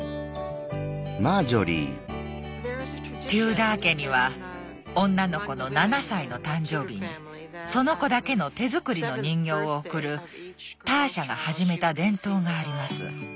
テューダー家には女の子の７歳の誕生日にその子だけの手作りの人形を贈るターシャが始めた伝統があります。